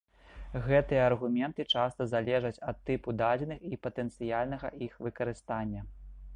Гэтыя аргументы часта залежаць ад тыпу дадзеных і патэнцыяльнага іх выкарыстання.